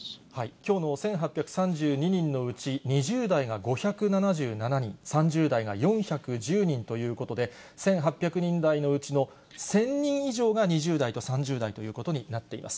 きょうの１８３２人のうち、２０代が５７７人、３０代が４１０人ということで、１８００人台のうちの１０００人以上が２０代と３０代ということになっています。